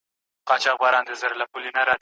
پر اوښتي تر نیوي وه زیات کلونه